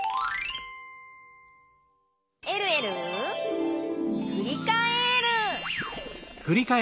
「えるえるふりかえる」